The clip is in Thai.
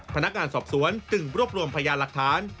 พนักงานสอบสวนจึงรวบรวมพยานหลักฐาน